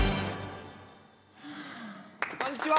こんにちは！